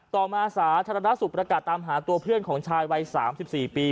ต่อมาสาธารณสุขประกาศตามหาตัวเพื่อนของชายวัย๓๔ปี